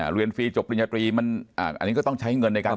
เรียนฟรีจบปริญญาตรีมันอันนี้ก็ต้องใช้เงินในการ